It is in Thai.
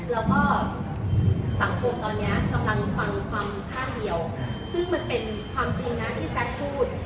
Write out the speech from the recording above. แล้วก็สังคมตอนนี้กำลังฟังความข้างเดียวซึ่งมันเป็นความจริงนะที่แซคพูด